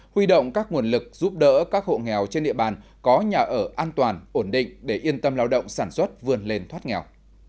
huy động các nguồn lực giúp đỡ các hộ nghèo trên địa bàn có nhà ở an toàn ổn định để yên tâm lao động sản xuất vươn lên thoát nghèo